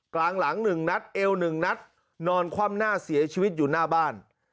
กลางหลัง๑นัดเอว๑นัดนอนคว่ำหน้าเสียชีวิตอยู่หน้าบ้าน